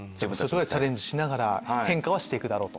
チャレンジしながら変化はして行くだろうと。